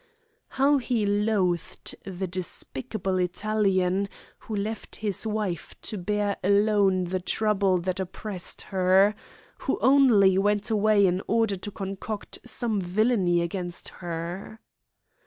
How he loathed the despicable Italian who left his wife to bear alone the trouble that oppressed her who only went away in order to concoct some villainy against her.